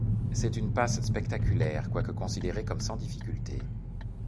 C'est une passe spectaculaire, quoique considérée comme sans difficulté.